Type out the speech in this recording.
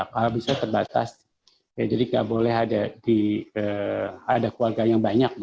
kalau bisa terbatas jadi nggak boleh ada keluarga yang banyak